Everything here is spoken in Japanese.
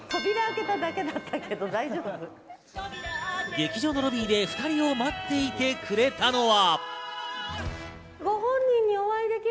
劇場のロビーで２人を待っていてくれたのは。